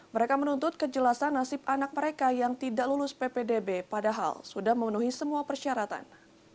mereka menuntut kejelasan nasib anak mereka yang tidak lulus ppdb padahal sudah memenuhi semua persyaratan